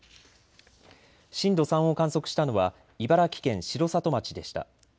震度３を観測したのは茨城県城里町でした。